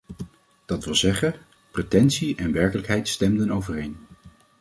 Dat wil zeggen: pretentie en werkelijkheid stemden overeen.